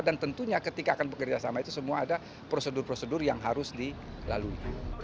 dan tentunya ketika akan bekerjasama itu semua ada prosedur prosedur yang harus dilalui